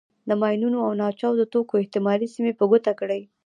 د ماینونو او ناچاودو توکو احتمالي سیمې په ګوته کړئ.